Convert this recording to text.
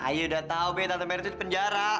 ay udah tau be tante mer itu di penjara